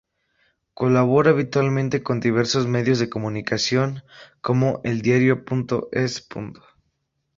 Colabora habitualmente con diversos medios de comunicación como eldiario.es.